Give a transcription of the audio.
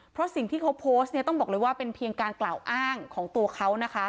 เพราะสิ่งที่เขาโพสต์เนี่ยต้องบอกเลยว่าเป็นเพียงการกล่าวอ้างของตัวเขานะคะ